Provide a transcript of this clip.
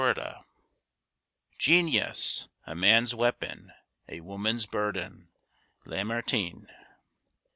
BURDENED "Genius, a man's weapon, a woman's burden."—Lamartine.